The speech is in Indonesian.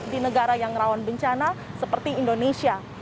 di negara yang rawan bencana seperti indonesia